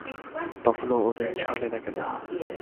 তখনও ওদের ছাড়লে না কেন?